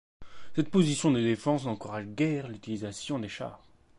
Cette position de défense n'encourage guère l'utilisation des chars.